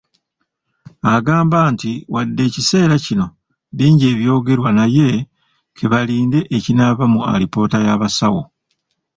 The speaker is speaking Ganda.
Agamba nti wadde ekiseera kino bingi ebyogerwa naye ke balinde ekinaava mu alipoota y’abasawo